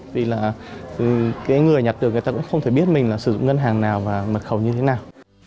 vì là cái người nhặt được người ta cũng không thể biết mình là sử dụng ngân hàng nào và mật khẩu như thế nào